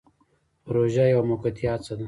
پروژه یوه موقتي هڅه ده